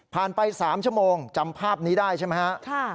ผ่านไป๓ชั่วโมงจำภาพนี้ได้ใช่ไหมครับ